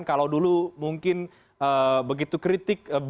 kalau dulu mungkin begitu kritik